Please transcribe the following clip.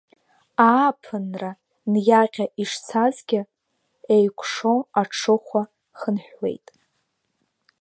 Ааԥынра ниаҟьа ишцазгьы, еикәшо аҽыхәа хынҳәуеит.